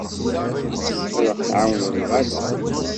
Ad aɣ-tɛawneḍ neɣ ala?